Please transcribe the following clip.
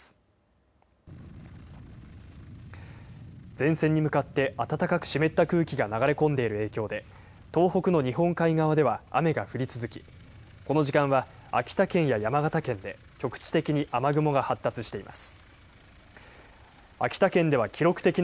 前線に向かって暖かく湿った空気が流れ込んでいる影響で、東北の日本海側では雨が降り続き、この時間は秋田県や山形県で局地的に雨雲が発達しています。